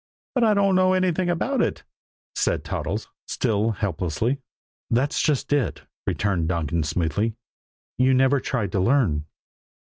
"But I don't know anything about it," said Toddles, still helplessly. "That's just it," returned Donkin smoothly. "You never tried to learn."